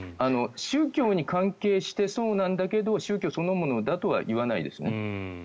宗教に関係してそうなんだけど宗教そのものだとは言わないですね。